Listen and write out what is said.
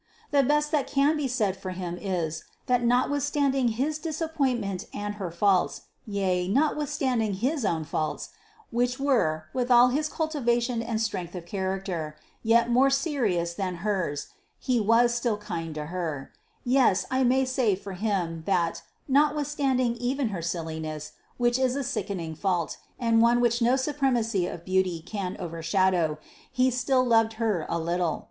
The best that can be said for him is, that, notwithstanding his disappointment and her faults, yea, notwithstanding his own faults, which were, with all his cultivation and strength of character, yet more serious than hers, he was still kind to her; yes, I may say for him, that, notwithstanding even her silliness, which is a sickening fault, and one which no supremacy of beauty can overshadow, he still loved her a little.